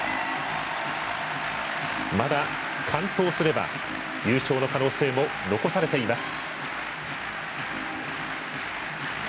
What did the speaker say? まだ、完登すれば優勝の可能性も残されています。